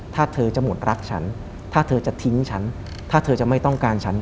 ถ้าเธอจะหมดรักฉันถ้าเธอจะทิ้งฉันถ้าเธอจะไม่ต้องการฉัน